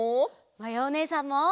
まやおねえさんも！